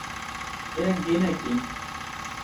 এরা গে নাকি?